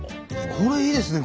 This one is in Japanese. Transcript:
これいいですね